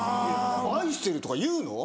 「愛してる」とか言うの？